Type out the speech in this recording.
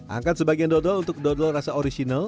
angkat sebagian dodol untuk dodol rasa orisinal